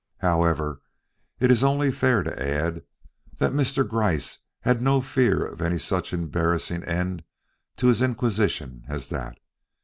However, it is only fair to add that Mr. Gryce had no fear of any such embarrassing end to his inquisition as that.